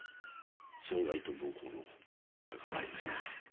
傷害と暴行の前科がありました。